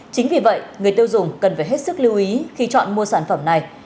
chính vì vậy người tiêu dùng cần phải hết sức lưu ý khi chọn mua sản phẩm này